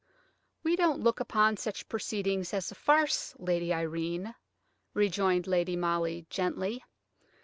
"We don't look upon such a proceeding as a farce, Lady Irene," rejoined Lady Molly, gently.